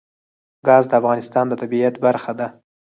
ګاز د افغانستان د طبیعت برخه ده.